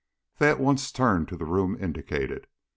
They at once turned to the room indicated.